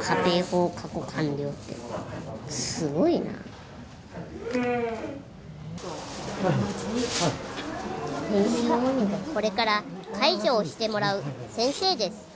仮定法過去完了ってすごいなこれから介助をしてもらう先生です